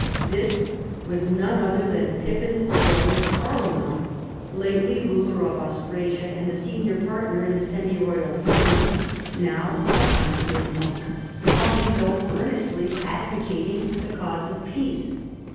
This was none other tlian Pippin's brother Carloman, lately ruler of Austrasia, and the senior partner in the semi royal firm, now a tonsured monk, humbly though earnestly advocating the cause of peace.